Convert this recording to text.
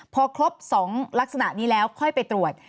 พอครบ๒ลักษณะนี้แล้วค่อยไปตรวจ